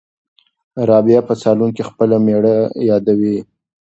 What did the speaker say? رابعه په صالون کې خپله مېړه یادوي.